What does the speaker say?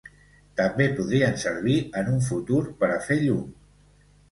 També podrien servir en un futur per a fer llum.